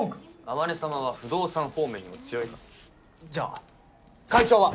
天音さまは不動産方面にも強いからじゃあ会長は？